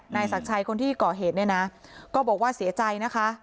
ศักดิ์ชัยคนที่ก่อเหตุเนี่ยนะก็บอกว่าเสียใจนะคะ